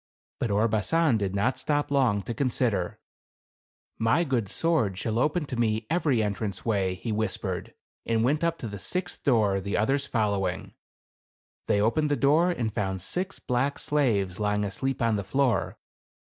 But Orbasan did not stop long to consider. "My THE CARAVAN. 187 good sword shall open to me every entrance way/' lie whispered, and went up to the sixth door, the others following. They opened the door and found six black slaves lying asleep on the floor.